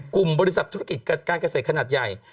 กลุ่มบริษัทธุรกิจการเกษตรขนาดใหญ่